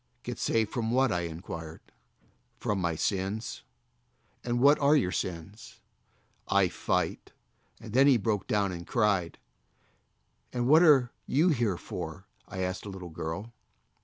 "Get saved from what?" I inquired. "From my sins." "And what are your sins?" "I fight," and then he broke down and cried. 140 THE soul winner's SECRET. "And what are you here for?" I asked a little girl.